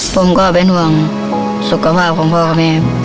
ผมก็เป็นห่วงสุขภาพของพ่อกับแม่